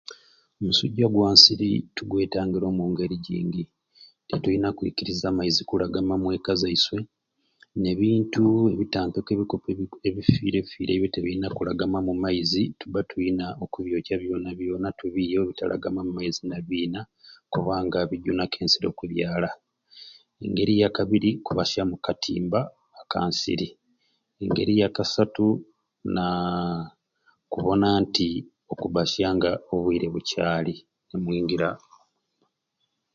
Omusujja gwa nsiri tugwetangira omungeri gingi, tituyina kwikiriza maizi kulagama mweka zaiswe n'ebintu ebitampeko ebikopo ebifiirefiire ebyo tebiyina kulagamamu maizi tuba tuyina okubyokya byona byona tubiyeewo obutalagamu maizi nebina kubanga bijunaku ensiri okubyala, engeri yakabiri kubasya mu katimba aka nsiri, engeri yakasatu naaaa kubona nti okubasya nga obwiire bukyali nimwingiira.